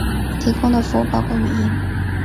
提供的服务包括话音。